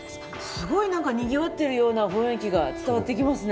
すごいなんかにぎわってるような雰囲気が伝わってきますね。